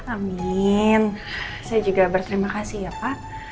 amin saya juga berterima kasih ya pak